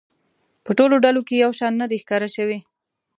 په ټولو ډلو کې یو شان نه دی ښکاره شوی.